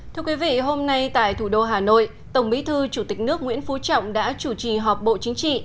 thưa quý vị hôm nay tại thủ đô hà nội tổng bí thư chủ tịch nước nguyễn phú trọng đã chủ trì họp bộ chính trị